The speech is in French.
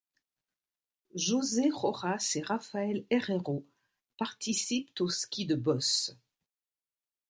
José Rojas et Rafael Herrero participent au ski de bosses.